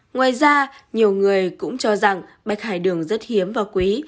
ngoài ra nhiều người cũng cho rằng bạch hải đường rất hiếm và quý